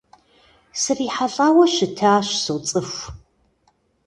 СрихьэлӀауэ щытащ, соцӀыху.